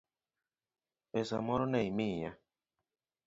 Pesa moro ne imiya?